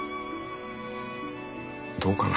どうかな。